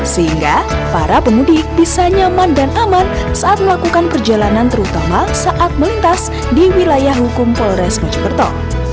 sehingga para pemudik bisa nyaman dan aman saat melakukan perjalanan terutama saat melintas di wilayah hukum polres mojokerto